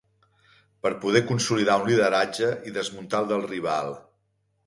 Per poder consolidar un lideratge i desmuntar el del rival.